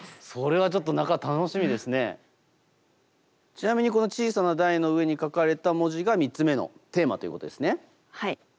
ちなみにこの小さな台の上に書かれた文字が３つ目のテーマということですね。